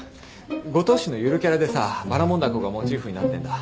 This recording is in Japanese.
五島市のゆるキャラでさバラモン凧がモチーフになってんだ。